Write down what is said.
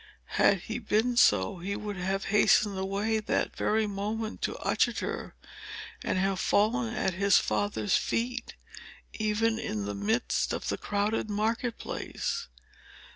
Had he been so, he would have hastened away that very moment to Uttoxeter, and have fallen at his father's feet, even in the midst of the crowded market place.